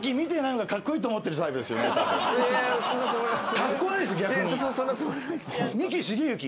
かっこ悪いです逆に。